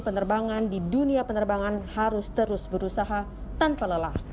penerbangan di dunia penerbangan harus terus berusaha tanpa lelah